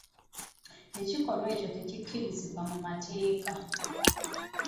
Ekikolwa ekyo tekikkirizibwa mu mateeka.